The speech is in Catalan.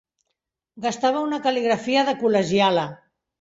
Gastava una cal·ligrafia de col·legiala.